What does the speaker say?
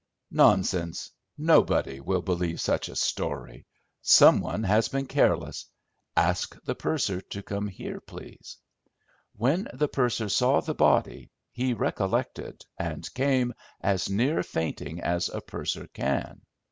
"Nonsense! Nobody will believe such a story! Some one has been careless! Ask the purser to come here, please." When the purser saw the body, he recollected, and came as near fainting as a purser can.